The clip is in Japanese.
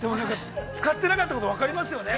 ◆使ってなかったことが分かりますよね。